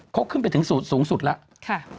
เขาขึ้นไปถึงสูงสุดแล้ว